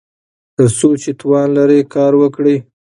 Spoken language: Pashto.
تر څو چې توان لرئ کار وکړئ.